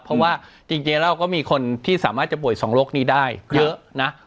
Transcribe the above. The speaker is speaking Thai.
เพราะว่าจริงเราก็มีคนที่สามารถจะป่วยสองโรคนี้ได้เยอะนะ